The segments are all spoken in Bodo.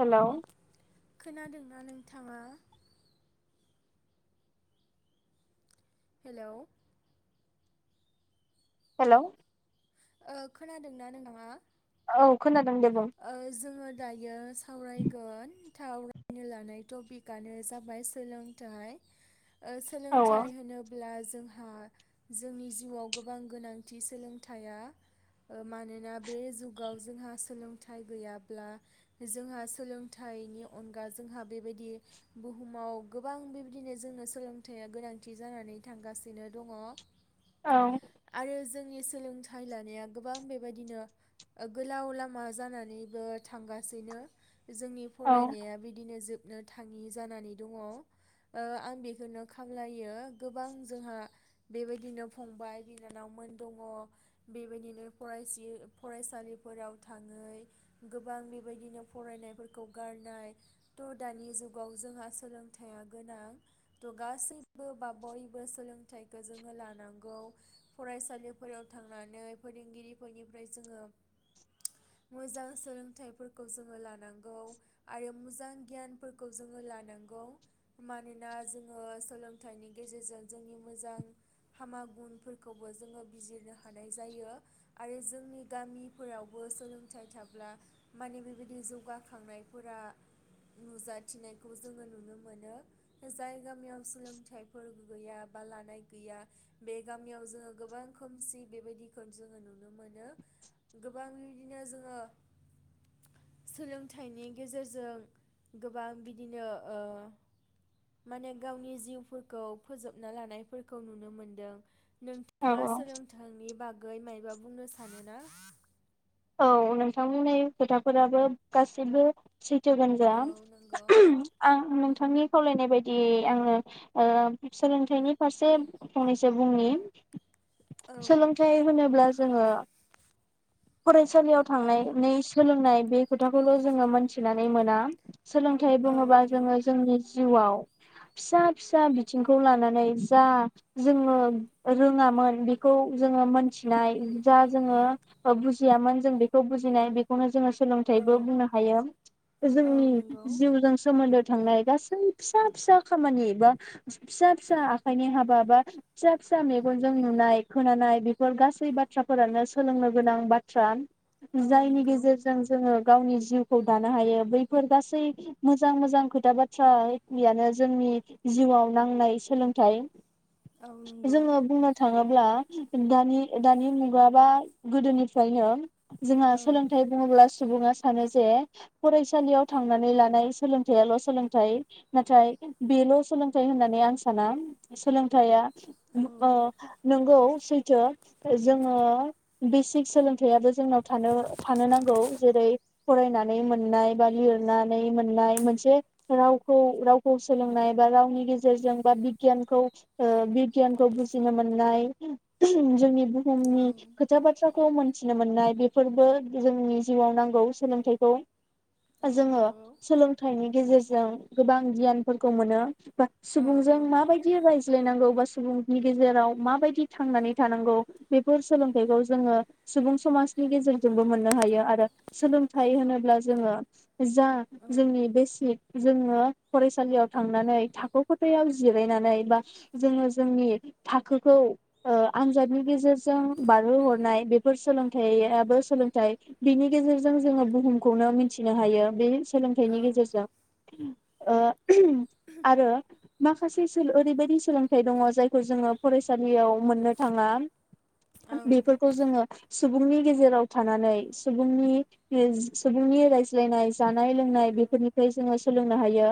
हेलौ खोनादोंना नोंथाङा? हेलौ हेलौ ओ खोनादोंना नोंदाङा? औ खोनाद ओ जोङो दायो सावरायगोन थावरायनो लानाय टपिकआनो जाबाय सोलोंथाइ ओ औ सोलोंथाय होनोब्ला जो जोंहा जोंनि जिउआव गोबां गोनांथि सोलोंथाइआ ओ मानोना बे जुगाव जोंहा सोलों थाइ गैयाब्ला जोंहा सोलोंथाइनि अनगा जोंहा बेबायदि बुहुमाव गोबां बेबायदिनो जोंनो सोलोंथाइया गोनांथि जानानै थांगासिनो दङ। औ आरो जों नि सोलोंथाइ लानाया गोबां बे बायदिनो ओ गोलाव लामा जानानैबो थांगासिनो जोंनि औ फरायनाया बिदिनो जोब नो थाङि जानानै दङ ओ आं बेखौनो खावलायो गोबां जोंहा बे बायदिनो फंबाय बिनानावमोन दङ। बे बायदिनो फरायसियो फरायसालिफोराव थाङै गोबां बेबायदिनो फरायनायफोरखौ गारनाय थ' दानि जुगाव जोंहा सोलोंथाइया गोनां थ' गासैबो बा बयबो सोंलों थाइखौ जोङो लानांगौ। फरायसालिफोराव थांनानै फोरोंगिरिफोरनिफ्राय जोङो मोजां सोलोंथाइफोरखौ जोङो लानांगौ। आरो मुजां गियानफोरखौ जोङो लानांगौ। मानोना जोङो सोलोंथाइनि गेजेरजों जोंनि मोजां हामा गुनफोरखौबो जोङो बिजिरनो हानाय जायो। आरो जोंनि गामिफोराव बो सोलोंथाइ थाब्ला माने बे बादि जौगाखांनायफोरा नुजाथिनायखौ जोङो नुनो मोनो। ओ जाय गामियाव सोलोंथायफोर गैया बा लानाय गैया बे गामियाव जोङो गोबां खोमसि बे बादिखौ जोङो नुनो मोनो गोब बां इदिनो जोङो सोलोंथाइनि गेजेरजों गोबां बिदिनो ओ माने गावनि जिउफोरखौ फोजोबना लानायफोरखौ नुनो मोनदों। औ नोंथाङा औ सोलोंथाइनि बाग गै मायबा बुंनो सानोना? औ नोंथां बुंनाय खोथाफोराबो गासिबो सैथो गोनजा औ नंगौ आं नोंथांनि खावलायनाय बायदियै आङो ओ सोलोंथाइनि फारसे फंनैसो बुंनि औ सोलोंथाइ होनोब्ला जोङो सालियाव औ थांनाय नै सोलोंनाय बे खोथाखौल' जोङो मोनथिनानै मोना। सोलोंथाइ औ बुङोबा नंगौ जोङो जोंनि जिउआव फिसा फिसा बिथिंखौ लानानै जा जोङो रोङामोन बेखौ जोङो मोनथिनाय जा जोङो बा ओ बुजि जियामोन जों बेखौ बुजिनाय बेखौनो जोङो औ सोलोंथाइबो बुंनो हायो औ जोंनि नंगौ जिउजों सोमोन्दो थांनाय गासै फिसा फिसा खामानि बा फिसा फिसा आखाइनि हाबा बा फिसा फिसा मेगनजों नुनाय खोनानाय बेफोर गासै बाथ्राफोरानो सोलोंनो गोनां बाथ थ्रा औ जायनि नंगौ गेजेरजों जोङो गावनि जिउखौ दानो हायो बैफोर गासै मोजां मोजां खोथा बाथ्रा एखेयानो जोंनि जिउआव नांनाय सोलोंथाइ औ नंगौ जोङो बुंनो थाङो ब्ला दानि दानि मुगा बा गोदोनि फ्रायनो जोंहा औ सोलोंथाइ बुङोब्लास सुबुङा सानो जे फरायसालियाव थांनानै लानाय सोलोंथाइयाल' सोलोंथाइ नाथाय बेल' सोलोंथाइ होननानै आं साना सोलोंथाइया औ [unintelligible] नोंगौ सैथो जोङो बिसिग सोलोंथाइयाबो जोंनाव थानो थानो नांगौ जेरै- फरायनानै मोननाय बा लिरनानै मोननाय मोनसे रावखौ रावखौ सोलोंनाय बा रावनि गेजेरजों बा बिगियानखौ ओ बिगियानखौ बुजिनो मोननाय जोंनि औ समनि खोथा बाथ्रा खौ मोनथिनो मोननाय बेफोरबो जोंनि जिउआव नांगौ सोलोंथाइखौ। औ जोङो नंगौ सोलोंथाइनि गेजेरजों गोबां गियानफोरखौ मोनो। बा औ औ सुबुंजों माबायदि रायज्लायनांगौ बा सुबुंनि गेजेराव माबायदि थांनानै थानांगौ बेफोर सोलोंथाइखौ जोङो सुबुं समाजनि गेजेरजोंबो मोननो हायो आरो सोलोंथाइ होनोब्ला जोङो जा औ जोंनि बेसिक जोङो फरायसालियाव थांनानै थाखो खथायाव जिरायनानै बा जोङो जोंनि थाखोखौ ओ आनजादनि गेजेरजों बारहोहरनाय बे फोर सोलोंथाइयाबो सोलोंथाइ बिनि गेजेरजों जोङो बुहुमखौनो मिथिनो हायो बे सोलोंथाइनि औ गेजेरजों। ओम ओ आरो माखासे सोलो ओरैबायदि सोलोंथाइ दङ जायखौ जोङो फरायसालियाव मोननो थाङा। बेफोरखौ जोङो सुबुंनि गेजेराव थानानै सुबुंनि सुबुंनि रायज्लायनाय जानाय औ लोंनाय नंगौ बेफोरनिफ्राय जोङो सोलोंनो हायो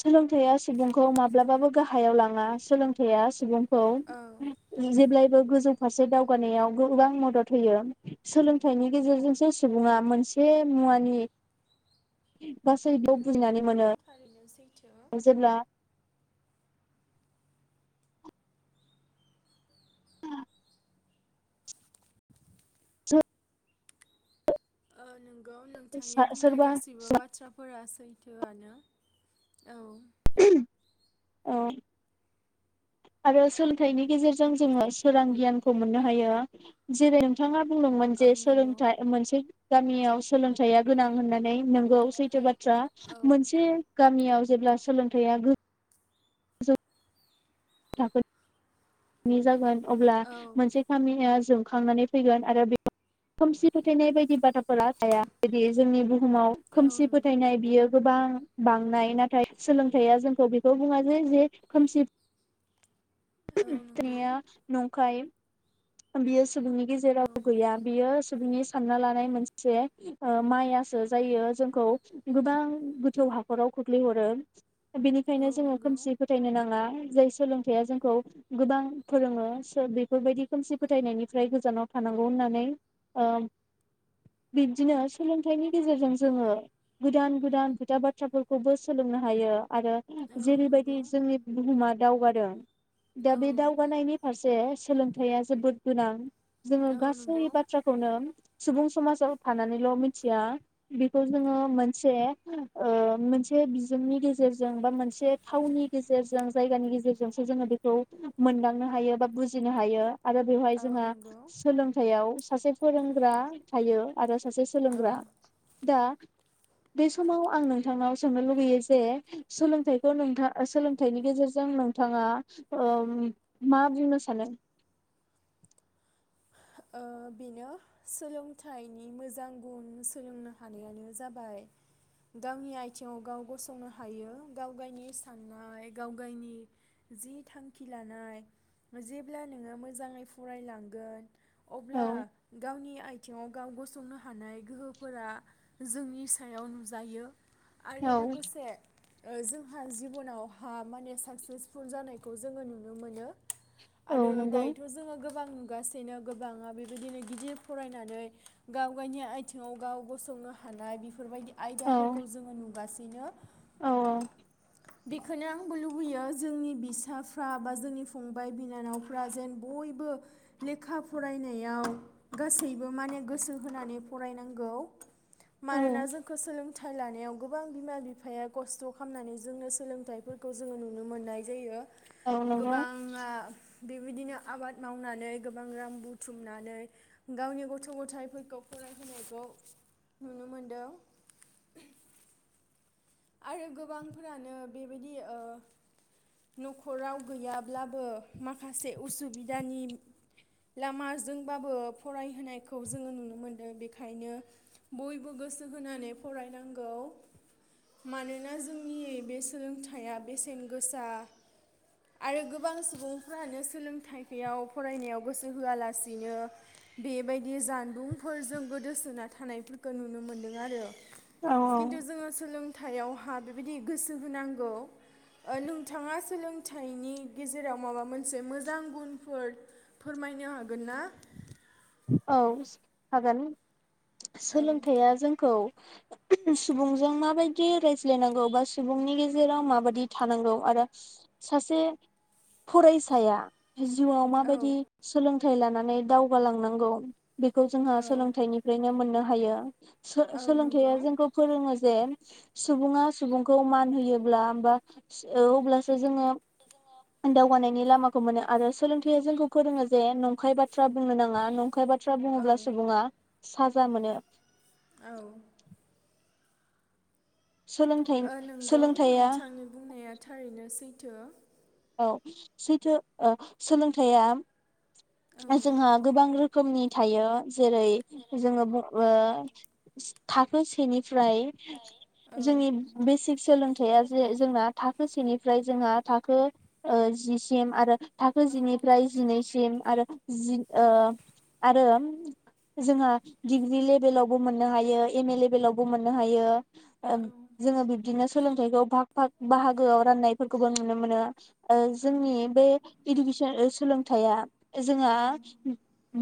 सोलोंथाइया सुबुंखौ माब्लाबाबो गाहायाव लाङा सोलोंथाइया सुबुं खौ औ जेब्लायबो गोजौ फारसे दावगानायाव गोबां मदद होयो सोलोंथाइनि गेजेरजोंसो सुबुङा मोनसे मुवानि [inaudible] गासैबो औ बुजिनानै नंगौ मोनो थारैनो सैथो जेब्ला जो ओ नोंग नंगौ नोंथांनि बुंनाय सोरबा गाससिबो बाथ्राफोरा सै। फ थौआनो औ नो [unintelligible] औ आरो सोलोंथाइनि गेजेरजों जोङो सोरां गियानखौ मोननो हायो जेरै नोंथाङा बुंदोंमोन औ जे नंगौ सोलोंथाइ मोनसे गामियाव सोलोंथाइया गोनां होननानै नों नंगौ सैथो बाथ्रा औ मोनसे गामियाव जेब्ला सोलोंथायाइया गो थाखोननि जागोन अब्ला औ मोनसे खामया‌ जों खांनानै फैगोन आरो बेयाव खोमसि फोथायनाय बायदि बादाब फोरा थाया बिदि जोंनि बुहुमाव औ खोमसि नंगौ फोथायनाय बियो गोबां। बांनाय नाथाय सोलोंथाइा जोंखौ बेखौ बुङा जे जे खोमसि औ नंगौ तया नंखाय बियो सुबुंनि औ गेजेराव गैया बियो सुबुंनि सानना लानाय मोनसे ओ मायासो जायो जोंखौ गोबां गोथौ हाखराव खोख्लैहरो। बेनिखायनो औ जोङो नंगौ खोमसि फोथायनो नाङा। जाय सोलोंथाइया जोंखौ गोबां फोरोङो सो बेफोरबायदि। खोमसि फोथायनायनिफ्राय गोजानाव थानांगौ होननानै। बिब्दिनो सोलोंथाइनि गेजेरजों जोङो गोदान-गोदान खोथा बाथ्राफोरखौबो सोलोंनो हायो। आरो औ जेरैबायदि नंगौ जोंनि बुहुमा दावगादों। दा औ बे दावगानायनि फारसे सोलों थाया जोबोद गोनां जोङो गासै नंगौ बाथ्राखौनो सुबुं समाजाव थानानैल' मिथिया। बेखौ जोङो औ मोनसे ओ मोनसे बिजोंनि गेजेरजों बा मोनसे थाावननि गेजेरजों जायगानि गेजेरजोंसो जोङो बेखौ मोनदांनो हायो बा बुजिनो हायो। आरो बेवहाय औ जोंहा नंगौ सोलोंथायाइयाव सासे फोरोंग्रा थायो। आरो सासे औ सोलोंग्रा दा बे समाव आं नोंथांनाव सोंनो लुगैयो जे सोलोंथाइखौ नोंथां सोलोंथाइनि गेजेरजों नोंथाङा मा बुंनो सानो? ओ बेनो सोलोंथाइनि मोजां गुन सोलोंनो हानायानो जाबाय गावनि आथिङाव गाव गसंनो हायो गाव गावनि साननाय गाव गावनि जि थांखि लानाय जेब्ला नोङो मोजाङै फरायलांगोन अब्ला औ गावनि आथिङाव गाव गसंनो हानाय गोहोफोरा जोंनि सायाव नुजायो आरो औ लोगोसे ओ जोंहा जिबनावहा माने साकसेसफुल जानायखौ जोङो नुनो मोनो औ आरो नंगौ दायोथ' जोङो गो गोबां नुगासि नो गोबाङा बेबायदिनो गिदिर फरायनानै गाव गावनि आथिङाव गाव गसंनो हानाय बेफोरबायदि औ आयदाफोरखौ जोङो नुगासि इनो औ बेखोनो आंबो लुबैयो जोंनि बिसाफ्रा बा जोंनि फंबाय बिनानावफ्रा जेन बयबो लेखा फरायनायाव गासैबो माने गोसो होनानै फरायनांगौ औ मानोना जोंखो सोलोंथाइ लानायाव गोबां बिमा बिफाया खस्थ' खालामनानै जोंनो सोलोंथाइफोरखौ जोङो नुनो मोननाय जायो औ नंगौ गोबाङा बेबायदिनो आबाद मावनानै गोबां रां बुथुमनानै गावनि गथ' गथाइफोरखौ फरायहोनायखौ नुनो मोनदों आरो गोबांफोरानो बेबायदि ओ न'खराव गैयाब्लाबो माखासे उसुबिदानि लामाजोंबाबो फरायहोनायखौ जोङो नुनो मोनदों बेखायनो बयबो गोसो होनानै फरायनांगौ मानोना जोंनि बे सोलोंथाइया बेसेन गोसा आरो गोबां सुबुंफ्रानो सोलोंथाइखायाव फरायनायाव गोसो होआलासिनो बेबायदि जानबुंफोरजों गोदोसोना थानायफोरखौ नुनो मोनदों आरो औ खिन्तु जोङो सोलों थायावहा बेबायदि गोसो होनांगौ ओ लोंथाङा सोलोंथाइनि गेजेराव माबा मोन से मोजां गुनफोर फोरमायनो हागोन ना औ ज हागोन औ सोलोंथाइया जोंखौ [unintelligible] सुबुंजों माबायदि रायज्लायनांगौ बा सुबुंनि गेजेराव माबादि थानांगौ आरो सासे फरायसाया जिउआव औ माबायदि सोलों थाइ लानानै दावगालांनां गौ बेखौ जोंहा औ सोलोंथाइनिफ्रायनो मोननो हायो औ सो-सोलोंथाइया नंगौ जोंखौ फोरोङो जे सुबुङा सुबुंखौ मान होयोब्ला बा स अब्लासो जोङो दावगानायनि लामाखौ मोनो आरो सोलोंथाइया जोंखौ फोरोङो जे नंखाय बाथ्रा बुंनो नाङा नं खाय बाद बाथ्रा औ बुङोब्ला सुबुङा साजा मोनो औ सोलोंथाइ ओ नोंगौ सोलोंथाइया नोंथांनि बुंनाया थारैनो सै थो औ सैथो ओ सोलोंथाइया औ जोंहा गोबां रोख खोमनि थायो। जेरै जोङो बुंओ थाखो सेनि फ्राय औ जोंनि बेसिक सोलोंथाइया जे जोंना थाखो सेनिफ्राय जोंहा थाखो ओ जिसिम आरो थाखो औ नंगौ जिनिफ्राय जिनैसिम आरो जि आरो जोंहा डिग्रि लेबेलावबो मोननो हायो एम ए लेबेलावबो मोननो हायो। औ जोङो बिबदिनो सोलोंथाइखौ भाग भाग बाहागोआव राननायफोरखौबो नुनो मोनो। जोंनि बे इडुकेसन ओ सोलोंथाइया जोंहा औ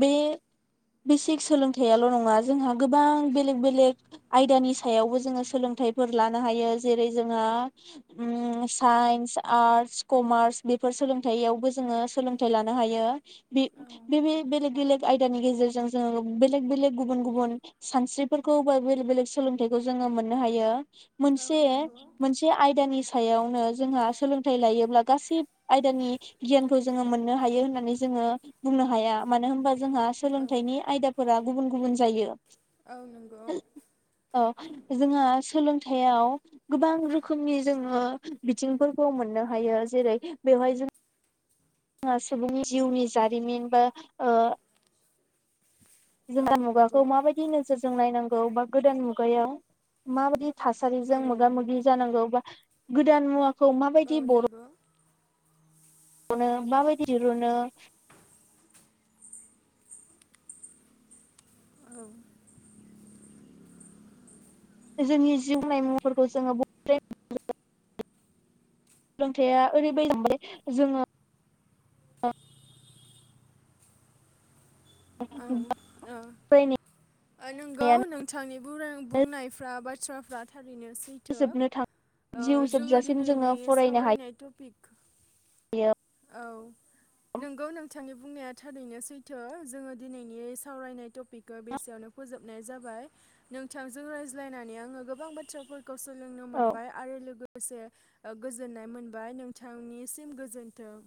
बे बेसिक सोलोंथाइयाल' नङा जोंहा गोबां बेलेग बेलेग आयदानि सायावबो जोंङो सोलोंथाइफोर लानो हायो जेरै जोंहा साइन्स आर्स कमार्स बेफोर सोलोंथायाइयावबो जोङो सोलोंथाइ लानो हायो। बे बे बेलेग बेलेग आयदानि गेजेरजों जोङो बेलेग बेलेग गुबुन गुबुन सानस्रिफोरखौ बा बेलेग बेलेग सोलोंथाइखौ जोङो मोननो हायो। नंगौ औ मोनसे नंगौ मोनसे आयदानि सायावनो जोंहा सोलोंथाइ लायोब्ला गासै आयदानि गियानखौ जोङो मोननो हायो होननानै जोङो बुंनो हाया मानो होनबा। जोंहा औ सोलोंथाइनि आयदाफोरा गुबुन गुबुन जायो। औ नंगौ औ जोंहा सोलोंथाय सोलोंथायाव गोबां रोखोमनि जोङो बिथिंफोरखौ मोननो हायो। जेरै बेवहाय जों सुबुंनि जिउनि जारिमिन बा ओ जोंहा मुगाखौ माबायदि नोजोरजों नायनां बा गोदान मुगायाव माबायदि औ थासारिजों मोगा मोगि जानांगौ बा गोदान मुवा मुवाखौ माबायदि बरन बरनो माबायदि दिरुनो औ। जोंनि जिउनि मुंवाफोरखौ जोङो बबेनिफ्राय सोलोंथाया ओरैबायदि जालांबाय जोङो औ फरायनायानो औ नोंगौ नोंथांनि बुंनायफ्रा बाथ्रा थ्राफ्रा था ओरैनो सैथो जोबनो थां ओ जिउ जोङो जोबजासिम दिनैनि जोङो फरायनो सावरायनाय टपिक हायो। औ। नोंगौ नोंथांनि बुंनाया। थारैनो सैथो जोङो दिनैनि सावरायनाय टपिगखौ बेसेयावनो फोजोबनाय जाबाय नोंथांजों रायज्लायनानै आङो गोबां बाथ्राफोर खौ सोलोंनो औ मोनबाय आरो लोगो लोगोसे ओ गोजोननाय मोनबाय नोंथांनिसिम गोजोन थों